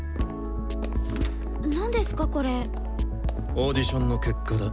オーディションの結果だ。